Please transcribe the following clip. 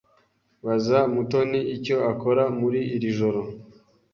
Baza Mutoni icyo akora muri iri joro.